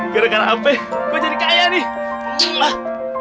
gara gara hp gua jadi kaya nih